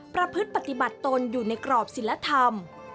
ประพฤติปฏิบัติตนอยู่ในกรอบศิลธรรม